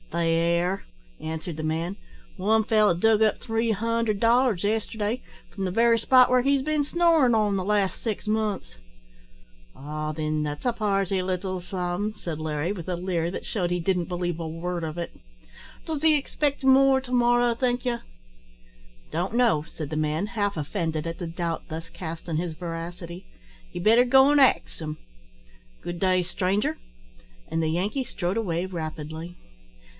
"They air," answered the man. "One feller dug up three hundred dollars yesterday, from the very spot where he's bin snorin' on the last six months." "Ah! thin that's a purty little sum," said Larry, with a leer that shewed he didn't believe a word of it. "Does he expect more to morrow, think ye?" "Don't know," said the man, half offended at the doubt thus cast on his veracity; "ye better go an' ax him. Good day, stranger;" and the Yankee strode away rapidly.